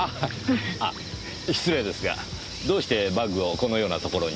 あ失礼ですがどうしてバッグをこのようなところに？